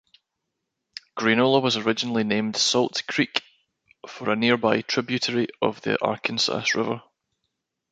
Grainola was originally named Salt Creek for a nearby tributary of the Arkansas River.